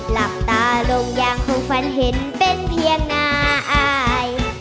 หลับตาลงอย่างหูฝันเห็นเป็นเพียงนายอาย